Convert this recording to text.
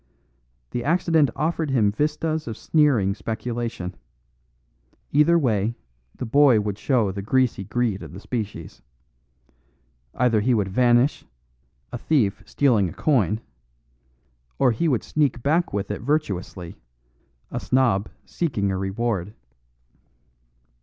The accident offered him vistas of sneering speculation. Either way, the boy would show the greasy greed of the species. Either he would vanish, a thief stealing a coin; or he would sneak back with it virtuously, a snob seeking a reward.